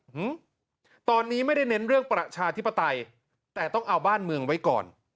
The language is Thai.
อืมตอนนี้ไม่ได้เน้นเรื่องประชาธิปไตยแต่ต้องเอาบ้านเมืองไว้ก่อน